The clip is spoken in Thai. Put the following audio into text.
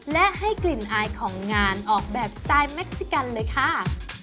และให้กลิ่นอายของงานออกแบบสไตล์เม็กซิกันเลยค่ะ